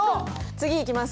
次いきます。